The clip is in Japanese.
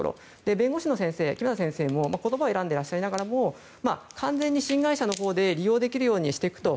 弁護士の木目田先生も言葉を選んでいらっしゃいながらも完全に新会社のほうで利用できるようにしていくと。